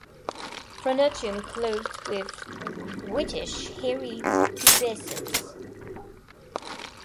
Pronotum clothed with whitish hairy pubescence.